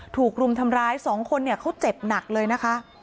ถูกรุ่มทำร้าย๒คนเขาเจ็บหนักเลยนะคะ